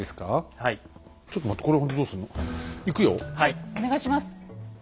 はいお願いします。